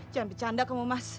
jangan bercanda kamu mas